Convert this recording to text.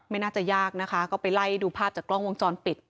ไม่น่าจะยากนะคะก็ไปไล่ดูภาพจากกล้องวงจรปิด